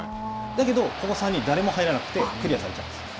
だけど、この３人、誰も入らなくてクリアされちゃうんです。